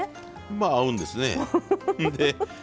まあ合うんですね。